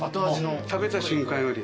食べた瞬間より。